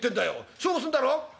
勝負すんだろ？」。